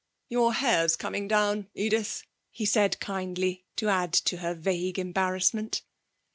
'Your hair's coming down, Edith,' he said kindly, to add to her vague embarrassment.